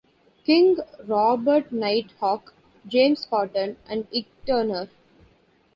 King, Robert Nighthawk, James Cotton, and Ike Turner.